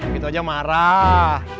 gitu aja marah